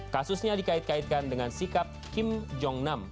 kasusnya dikait kaitkan dengan sikap kim jong nam